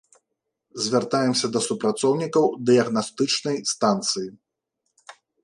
Звяртаемся да супрацоўнікаў дыягнастычнай станцыі.